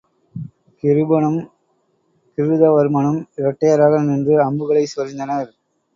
கிருபனும் கிருதவர்மனும் இரட்டையராக நின்று அம்புகளைச் சொரிந்தனர்.